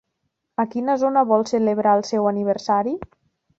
A quina zona vol celebrar el seu aniversari?